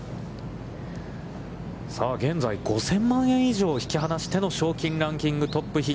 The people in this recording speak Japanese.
さあ現在５０００万円以上引き離しての賞金ランキングトップの比嘉。